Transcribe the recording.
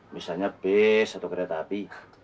misalnya bus atau kereta api